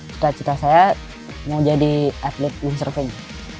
cita cita saya mau jadi atlet windsurfing